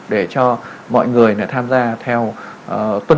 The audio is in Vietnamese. để cho mọi người tham gia theo tuyên truyền